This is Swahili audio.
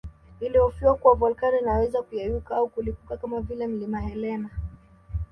Ilihofiwa kuwa volkano inaweza kuyeyuka au kulipuka kama vile Mlima Helena